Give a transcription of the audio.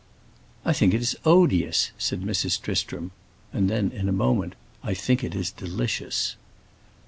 "I think it is odious!" said Mrs. Tristram. And then in a moment: "I think it is delicious!"